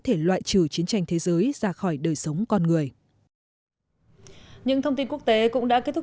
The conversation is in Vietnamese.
thể loại trừ chiến tranh thế giới ra khỏi đời sống con người những thông tin quốc tế cũng đã kết thúc